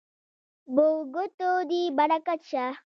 په ګوتو دې برکت شه